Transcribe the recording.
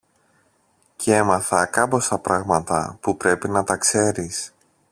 Κι έμαθα κάμποσα πράγματα που πρέπει να τα ξέρεις.